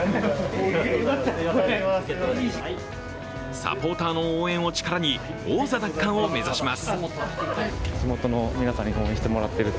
サポーターの応援を力に王座奪還を目指します。